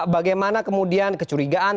bagaimana kemudian kecurigaan